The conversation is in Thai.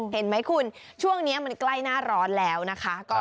เห็นไหมคุณช่วงนี้มันใกล้หน้าร้อนแล้วนะคะ